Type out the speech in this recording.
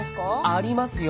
ありますよ。